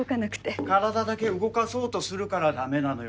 体だけ動かそうとするから駄目なのよ。